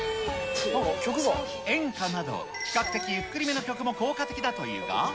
演歌など、比較的ゆっくりめの曲も効果的だというが。